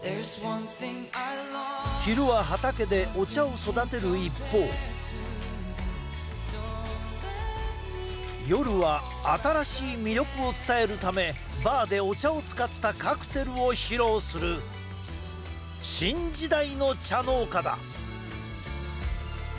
昼は畑でお茶を育てる一方夜は新しい魅力を伝えるためバーでお茶を使ったカクテルを披露する新時代の茶農家だ。